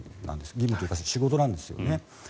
義務というか仕事なんですよね。